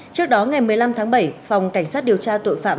trước đó ngày một mươi năm tháng bảy phòng cảnh sát điều tra tội phạm